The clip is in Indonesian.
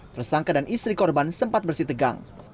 tersangka dan istri korban sempat bersih tegang